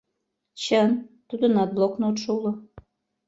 Чын, тудынат блокнотшо уло.